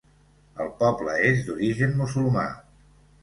El poble és d'origen musulmà.